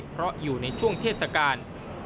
เพราะอยู่ในช่วงเทศกาล